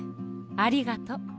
ありがとう。